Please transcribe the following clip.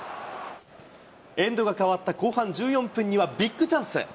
エンドが変わった後半１４分にはビッグチャンス。